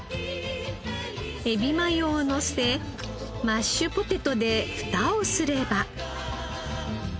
エビマヨをのせマッシュポテトでフタをすれば。